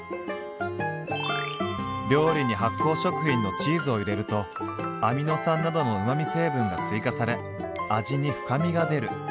「料理に発酵食品のチーズを入れるとアミノ酸などのうまみ成分が追加され味に深みが出る」。